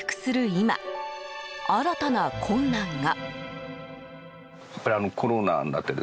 今新たな困難が。